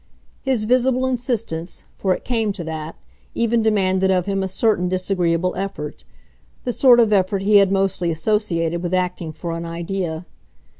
His visible insistence for it came to that even demanded of him a certain disagreeable effort, the sort of effort he had mostly associated with acting for an idea.